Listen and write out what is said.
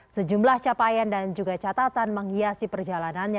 sejumlah capaian dan juga catatan menghiasi perjalanannya